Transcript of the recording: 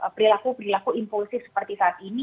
perilaku perilaku impulsif seperti saat ini